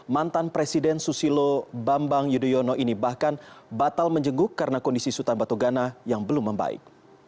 mantan presiden susilo bambang yudhoyono ini bahkan batal menjenguk karena kondisi sultan batu gana yang belum membaik